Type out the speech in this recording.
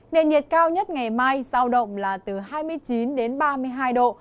nền nhiệt cao nhất ngày mai giao động là từ hai mươi chín đến ba mươi hai độ